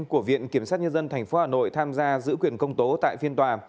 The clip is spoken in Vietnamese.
của viện kiểm sát nhân dân tp hà nội tham gia giữ quyền công tố tại phiên tòa